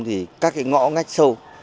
thì các ngõ ngách sâu